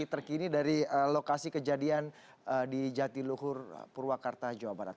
terkini dari lokasi kejadian di jatiluhur purwakarta jawa barat